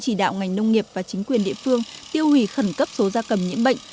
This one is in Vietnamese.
chỉ đạo ngành nông nghiệp và chính quyền địa phương tiêu hủy khẩn cấp số gia cầm nhiễm bệnh